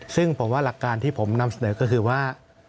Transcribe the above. ซึ่งผมว่าหลักการที่ผมนำเสนอก็คือว่า